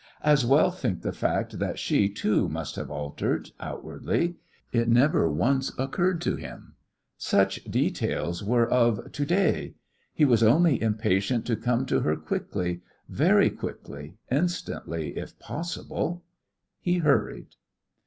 As well think of the fact that she, too, must have altered outwardly. It never once occurred to him. Such details were of To day.... He was only impatient to come to her quickly, very quickly, instantly, if possible. He hurried.